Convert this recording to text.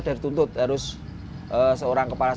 skin nya malu nih pak